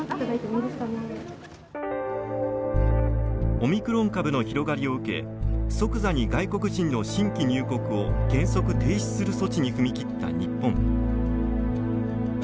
オミクロン株の広がりを受け即座に外国人の新規入国を原則停止する措置に踏み切った日本。